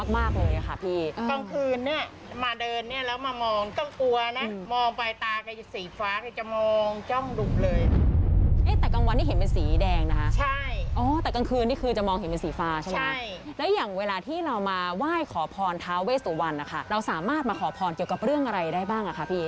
แต่กลางวันนี่เห็นเป็นสีแดงนะคะแต่กลางคืนนี่คือจะมองเห็นเป็นสีฟ้าใช่ไหมครับแล้วอย่างเวลาที่เรามาไหว้ขอพรท้าเวสตุวันนะคะเราสามารถมาขอพรเกี่ยวกับเรื่องอะไรได้บ้างค่ะพี่